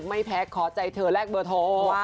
ไม่แพ้ขอใจเธอแลกเบอร์โทร